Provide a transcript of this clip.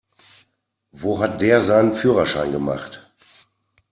Wo hat der seinen Führerschein gemacht?